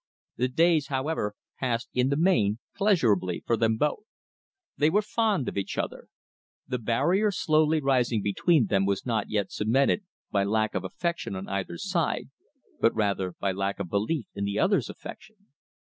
The days, however, passed in the main pleasurably for them both. They were fond of one another. The barrier slowly rising between them was not yet cemented by lack of affection on either side, but rather by lack of belief in the other's affection.